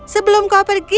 sebelum kau pergi